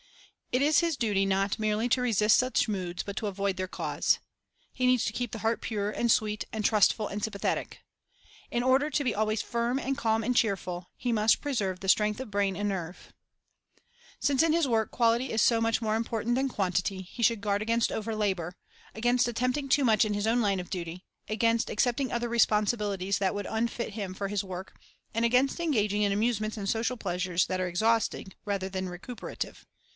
It is his duty not merely to resist such moods but to avoid their cause. He needs to keep the heart pure and sw~et and trustful and sympathetic. In order to be always firm and calm and cheerful, he must preserve the strength of brain and nerve. Essential Qualifications Physical Vigor 278 The Under Teacher Outdoor Labor Literary Attainments A High Standard Since in his work quality is so much more impor tant than quantity, he should guard against overlabor,— against attempting too much in his own line of duty; against accepting other responsibilities that would unfit him for his work; and against engaging in amusements and social pleasures that are exhausting rather than recuperative.